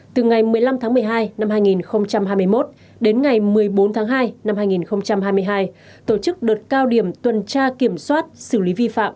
từ ngày một mươi năm tháng một mươi hai năm hai nghìn hai mươi một đến ngày một mươi bốn tháng hai năm hai nghìn hai mươi hai tổ chức đợt cao điểm tuần tra kiểm soát xử lý vi phạm